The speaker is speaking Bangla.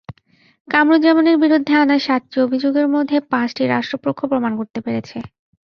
কামারুজ্জামানের বিরুদ্ধে আনা সাতটি অভিযোগের মধ্যে পাঁচটি রাষ্ট্রপক্ষ প্রমাণ করতে পেরেছে।